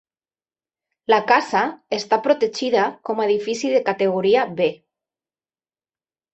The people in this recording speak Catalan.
La casa està protegida com a edifici de categoria B.